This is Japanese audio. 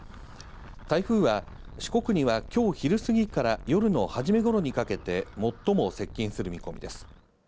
台風は、四国にはきょう昼過ぎから夜の初めごろにかけて最も接近する見込みです。